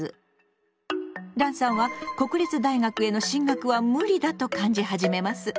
ランさんは国立大学への進学は無理だと感じ始めます。